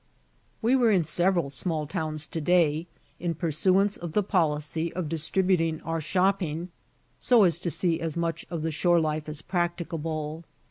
We were in several small towns to day, in pursuance of the policy of distributing our shopping, so as to see as much of the shore life as practicable.